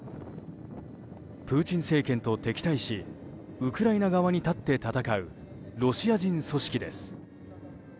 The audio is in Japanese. プーチン政権と敵対しウクライナ側に立って戦うロシア人組織です。